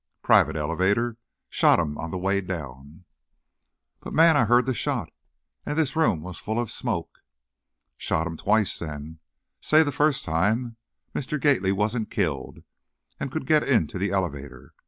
Private elevator. Shot him on the way down " "But man, I heard the shot, and this room was full of smoke." "Shot him twice, then. Say the first time, Mr. Gately wasn't killed and could get into the elevator.